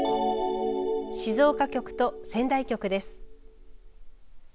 静岡局と仙台局です。